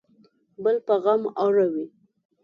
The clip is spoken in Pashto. بل په غم اړوي